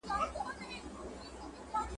منډېلا خپل اخلاق د سیاست قرباني نه کړل.